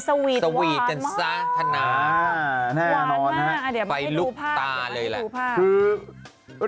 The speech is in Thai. สวีทสวาหร่ำมากแน่นอนนะครับไฟลูกตาเลยเหล่ะคือ